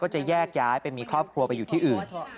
จะแยกย้ายไปมีครอบครัวไปอยู่ที่อื่น